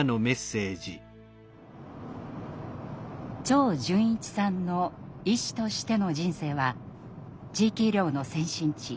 長純一さんの医師としての人生は地域医療の先進地